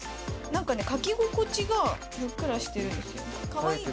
なんかね、書き心地がふっくらしてるんですよ。